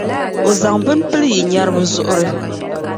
O zaŋ bini pili yi nyariba zuɣuri.